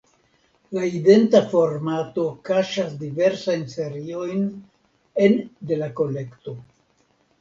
La identa formato kaŝas diversajn seriojn en de la kolekto.